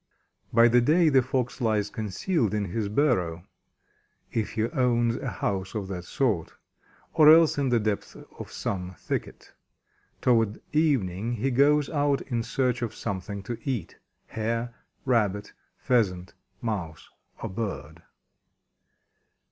By day the Fox lies concealed in his burrow if he owns a house of that sort or else in the depths of some thicket. Toward evening he goes out in search of something to eat Hare, Rabbit, Pheasant, Mouse, or Bird.